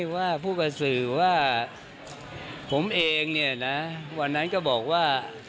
ว่าผู้ประสือว่าผมเองนะวันนั้นก็บอกว่า